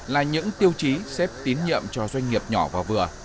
là những tiêu chí xếp tín nhiệm cho doanh nghiệp nhỏ và vừa